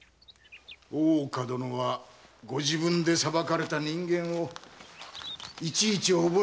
大岡殿はご自分で裁かれた人間をいちいち覚えていますかな？